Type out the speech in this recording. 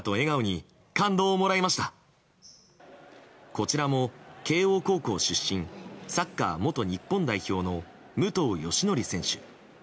こちらも慶應高校出身サッカー元日本代表の武藤嘉紀選手。